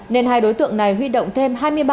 nên hai đối tượng này huy động thêm hai đối tượng